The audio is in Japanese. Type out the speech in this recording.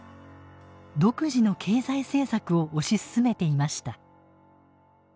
独自の経済政策を推し進めていました。